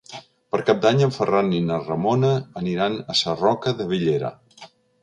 Per Cap d'Any en Ferran i na Ramona aniran a Sarroca de Bellera.